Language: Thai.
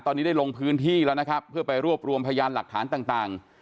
ตอนนี้ได้ลงพื้นที่แล้วนะครับเพื่อไปรวบรวมพยานหลักฐานต่าง